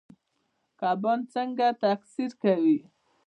کبان څنګه تکثیر کوي؟